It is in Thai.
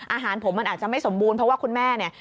อาหารผมมันอาจจะไม่สมบูรณ์เพราะว่าคุณแม่เนี่ย